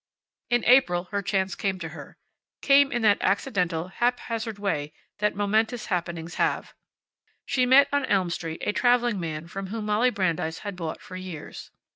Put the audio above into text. In April her chance came to her; came in that accidental, haphazard way that momentous happenings have. She met on Elm Street a traveling man from whom Molly Brandeis had bought for years.